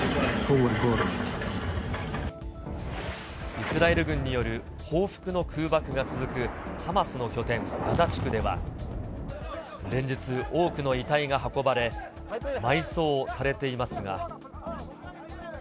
イスラエル軍による報復の空爆が続くハマスの拠点、ガザ地区では連日、多くの遺体が運ばれ、埋葬されていますが。